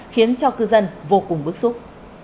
khiến cho cư dân vô cùng bức xúc